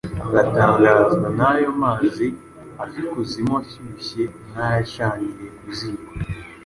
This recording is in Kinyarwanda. agatangazwa n’ayo mazi ava ikuzimu ashyushye nk’ayacaniriwe ku ziko!